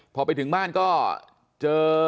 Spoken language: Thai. พอไปถึงบ้านก็เจอ